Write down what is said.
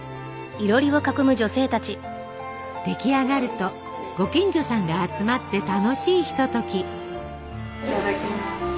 出来上がるとご近所さんが集まって楽しいひととき。